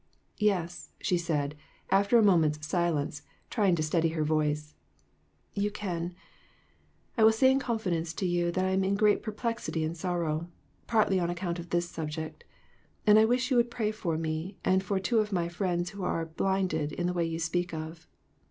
"Yes," she said, after a moment's silence, try ing to steady her voice; "you can. I wilt say in confidence to you that I am in great perplexity and sorrow, partly on account of this subject; and I wish you would pray for me and for two of my friends who are 'blinded ' in the way you speak of."